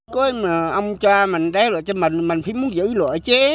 có ông cha mình đeo lụa cho mình mình phải muốn giữ lụa chế